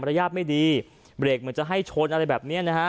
รยาทไม่ดีเบรกเหมือนจะให้ชนอะไรแบบเนี้ยนะฮะ